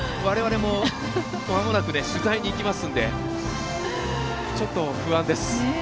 われわれも、まもなく取材に行きますのでちょっと不安です。